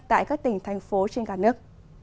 tại các tỉnh thành phố trên cả nước